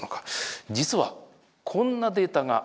実はこんなデータがあるんです。